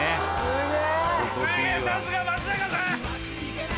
すげぇさすが松坂さん！